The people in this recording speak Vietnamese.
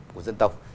của dân tộc